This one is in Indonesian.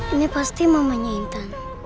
ini pasti mamanya intan